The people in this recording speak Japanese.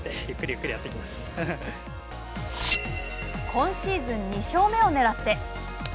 今シーズン２勝目をねらって。